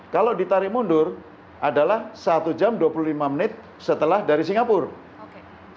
kalau ditarik mundur adalah satu jam dua puluh lima menit setelah dari singapura